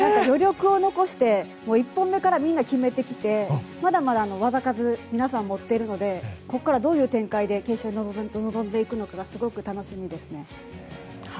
余力を残して１本目からみんな決めてきてまだまだ技数皆さん持っているのでここからどういう展開で決勝に臨んでいくのかがすごく楽しみですね。